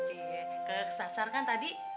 iya kekesasar kan tadi